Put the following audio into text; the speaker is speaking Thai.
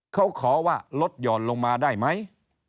เขาขอว่าลดหย่อนลงมาได้ไหม